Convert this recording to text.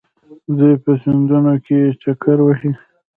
دوی په سیندونو کې چکر وهي.